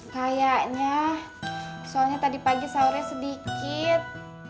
kayaknya soalnya tadi pagi sahurnya sedikit